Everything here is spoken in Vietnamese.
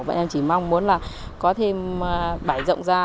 bọn em chỉ mong muốn là có thêm bãi rộng ra